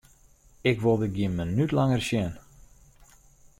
Ik wol dyn gjin minút langer sjen!